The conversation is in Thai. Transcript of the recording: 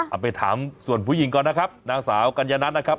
เอาไปถามส่วนผู้หญิงก่อนนะครับนางสาวกัญญนัทนะครับ